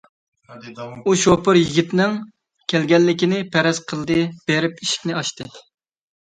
ئۇ شوپۇر يىگىتنىڭ كەلگەنلىكىنى پەرەز قىلدى، بېرىپ ئىشىكنى ئاچتى.